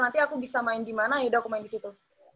aku bisa main dimana yaudah aku main disitu